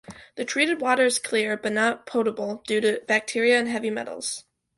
The treated water is clear, but not potable due to bacteria and heavy metals.